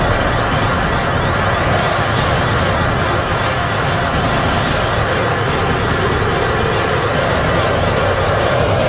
dendam dari kubur